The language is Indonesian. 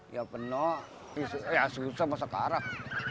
ya penuh ya susah masa ke arah